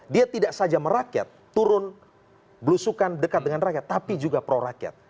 dia tidak saja merakyat turun belusukan dekat dengan rakyat tapi juga pro rakyat